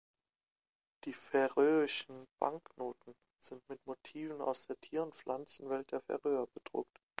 Die färöischen Banknoten sind mit Motiven aus der Tier- und Pflanzenwelt der Färöer bedruckt.